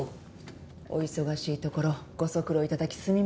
お忙しいところご足労頂きすみません。